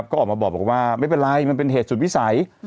ก็ออกมาบอกว่าไม่เป็นไรมันเป็นเหตุสุดวิสัย